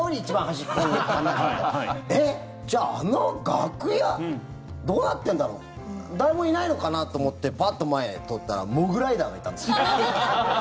じゃああの楽屋どうなってるんだろう誰もいないのかな？と思ってパッと前通ったらモグライダーがいたんです。